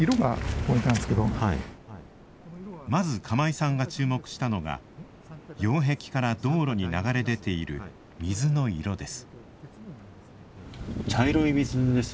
まず釜井さんが注目したのが擁壁から道路に流れ出ている水の色です。